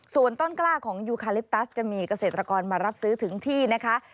ส่วนต้นกล้าของยูคาลิปตัสจะมีเกษตรกรมารับซื้อถึงที่นะคะ